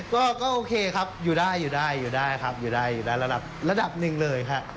ก็โอเคครับอยู่ได้อยู่ได้อยู่ได้ครับอยู่ได้ระดับระดับหนึ่งเลยฮะ